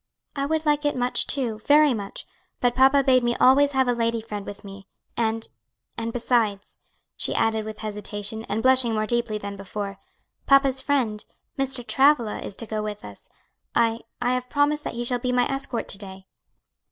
"I would like it much too, very much, but papa bade me always have a lady friend with me; and and besides," she added with hesitation, and blushing more deeply than before, "papa's friend. Mr. Travilla, is to go with us. I I have promised that he shall be my escort to day."